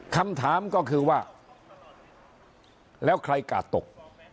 คำถามก็คือว่าแล้วใครกาดตก